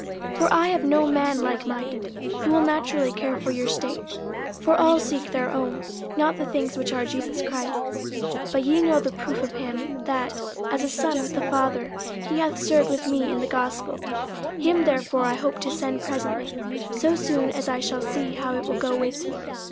50:002:020 For I have no man likeminded, who will naturally care for your state. 50:002:021 For all seek their own, not the things which are Jesus Christ's. 50:002:022 But ye know the proof of him, that, as a son with the father, he hath served with me in the gospel. 50:002:023 Him therefore I hope to send presently, so soon as I shall see how it will go with me.